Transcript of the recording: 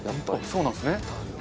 そうなんですね。